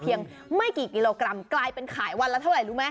ไม่กี่กิโลกรัมกลายเป็นขายวันละเท่าไหร่รู้ไหม